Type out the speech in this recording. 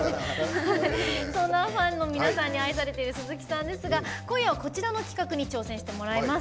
そんなファンの皆さんに愛されている鈴木さんですが今夜はこちらの企画に挑戦してもらいます。